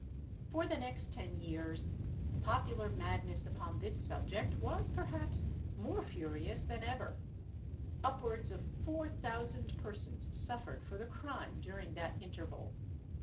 For the next ten years, the popular madness upon this subject was perhaps more furious than ever; upwards of four thousand persons suffered for the crime during that interval.